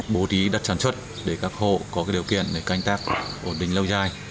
bố trí đất sản xuất để các hộ có điều kiện để canh tác ổn định lâu dài